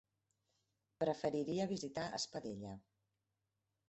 Preferiria visitar Espadella.